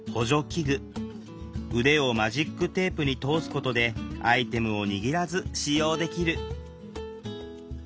腕をマジックテープに通すことでアイテムを握らず使用できる。